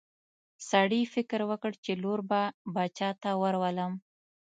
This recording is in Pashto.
سړي فکر وکړ چې لور به باچا ته ورولم.